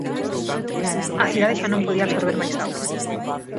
A cidade xa non podía absorber máis auga.